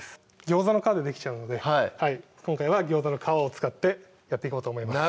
餃子の皮でできちゃうので今回は餃子の皮を使ってやっていこうと思います